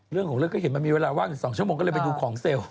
เรื่องของเรื่องก็เห็นมันมีเวลาว่างอยู่๒ชั่วโมงก็เลยไปดูของเซลล์